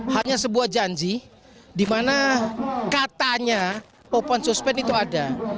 hanya sebuah janji di mana katanya open suspend itu ada